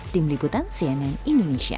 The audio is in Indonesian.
tim liputan cnn indonesia